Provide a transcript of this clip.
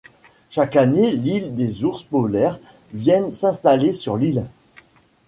Chaque année, l'île des ours polaires viennent s'installer sur l'île.